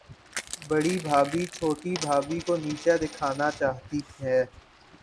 بڑی بھابھی، چھوٹی بھابھی کو نیچا دکھانا چاہتی ہے۔